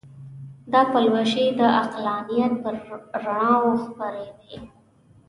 دا پلوشې د عقلانیت پر رڼاوو خپرې وې.